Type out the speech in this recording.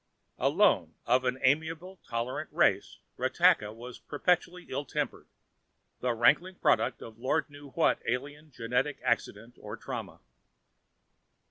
Alone of an amiable, tolerant race, Ratakka was perpetually ill tempered, the rankling product of Lord knew what alien genetic accident or trauma.